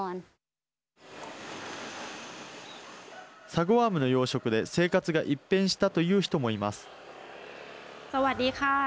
サゴワームの養殖で生活が一変したという人もいます。